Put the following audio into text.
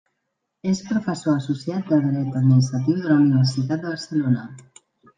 És professor associat de dret administratiu de la Universitat de Barcelona.